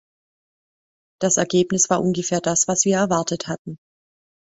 Das Ergebnis war ungefähr das, was wir erwartet hatten.